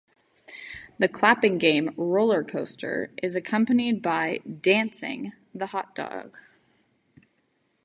The clapping game "roller coaster" is accompanied by "dancing" the "hot dog".